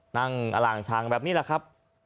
นั่งอร่าญแซงแบบนี้ล่ะครับ